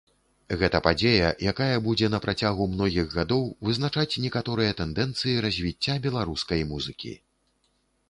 Гэта падзея, якая будзе на працягу многіх гадоў вызначаць некаторыя тэндэнцыі развіцця беларускай музыкі.